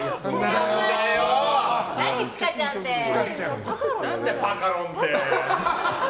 何だよ、パカロンって。